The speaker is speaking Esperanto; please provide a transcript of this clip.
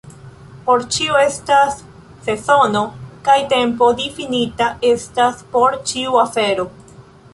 Por ĉio estas sezono, kaj tempo difinita estas por ĉiu afero.